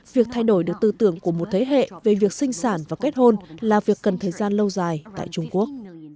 việc thay đổi được tư tưởng của một thế hệ về việc sinh sản và kết hôn là việc cần thời gian lâu dài tại trung quốc